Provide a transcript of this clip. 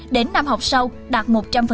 đến năm học sau đạt một trăm linh